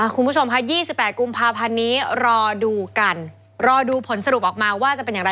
คุณผู้ชมค่ะ๒๘กุมภาพันธ์นี้รอดูกันรอดูผลสรุปออกมาว่าจะเป็นอย่างไร